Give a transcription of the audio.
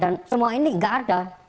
dan semua ini enggak ada